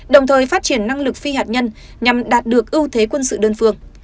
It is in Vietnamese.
đồng thời phát triển năng lực phi hạt nhân nhằm đạt được ưu thế quân sự đơn phương